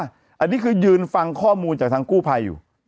อันนี้คือยืนฟังข้อมูลจากทางกู้ภัยอยู่